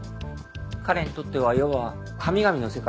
彼にとってはいわば神々の世界。